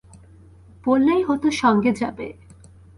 বললেই হত সঙ্গে যাবে?